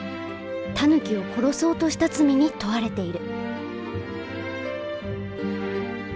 タヌキを殺そうとした罪に問われている。